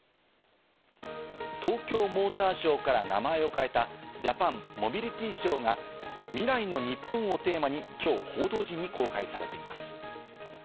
東京モーターショーから名前を変えたジャパンモビリティショーが未来の日本をテーマにきょう報道陣に公開されています。